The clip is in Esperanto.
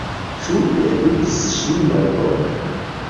Ĉu mi edukis ŝin malbone?